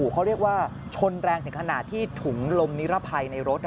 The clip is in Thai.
เขาเรียกว่าชนแรงถึงขนาดที่ถุงลมนิรภัยในรถ